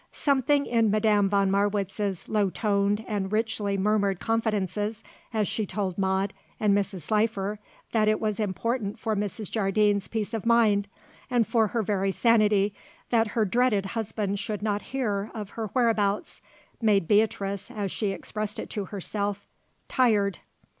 Something in Madame von Marwitz's low toned and richly murmured confidences as she told Maude and Mrs. Slifer that it was important for Mrs. Jardine's peace of mind, and for her very sanity, that her dreaded husband should not hear of her whereabouts, made Beatrice, as she expressed it to herself, "tired."